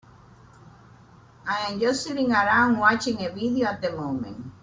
I'm just sitting around watching a video at the moment.